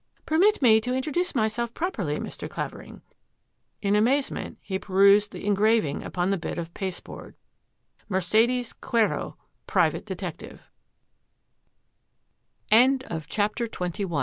" Permit me to introduce myself properly, Mr. Clavering." In amazement he perused the engraving upon the bit of pasteboard : Mercedes Quero Private Detective CHAPTER XXII THE MISSING LA